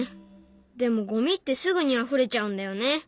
でもゴミってすぐにあふれちゃうんだよね。